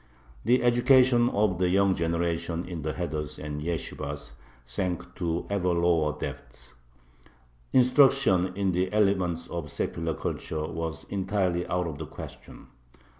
The education of the young generation in the heders and yeshibahs sank to ever lower depths. Instruction in the elements of secular culture was entirely out of the question.